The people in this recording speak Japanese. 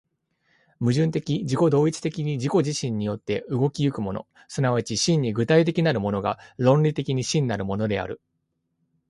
矛盾的自己同一的に自己自身によって動き行くもの、即ち真に具体的なるものが、論理的に真なるものである。